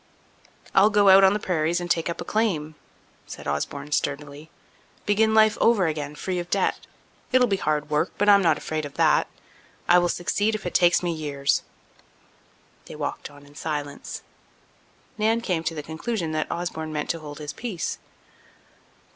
"I'll go out on the prairies and take up a claim," said Osborne sturdily. "Begin life over again free of debt. It'll be hard work, but I'm not afraid of that. I will succeed if it takes me years." They walked on in silence. Nan came to the conclusion that Osborne meant to hold his peace.